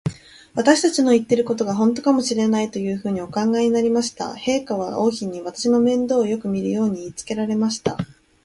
私たちの言ってることが、ほんとかもしれない、というふうにお考えになりました。陛下は王妃に、私の面倒をよくみるように言いつけられました。